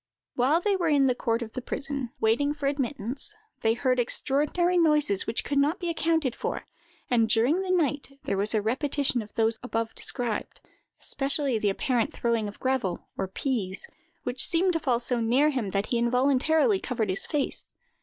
While they were in the court of the prison, waiting for admittance, they heard extraordinary noises, which could not be accounted for, and during the night there was a repetition of those above described—especially the apparent throwing of gravel, or peas, which seemed to fall so near him that he involuntarily covered his face.